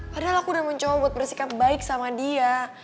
padahal aku udah mencoba buat bersikap baik sama dia